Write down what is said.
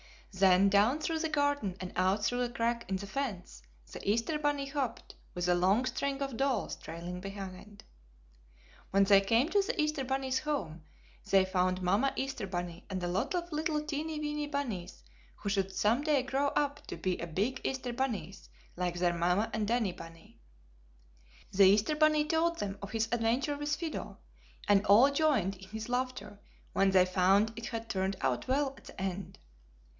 Then down through the garden and out through a crack in the fence the Easter bunny hopped, with a long string of dolls trailing behind. When they came to the Easter bunny's home, they found Mama Easter bunny and a lot of little teeny weeny bunnies who would some day grow up to be big Easter bunnies like their Mama and Daddy bunny. The Easter bunny told them of his adventure with Fido, and all joined in his laughter when they found it had turned out well at the end.